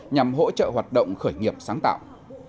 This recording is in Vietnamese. nhằm hỗ trợ hoạt động khởi nghiệp sáng tạo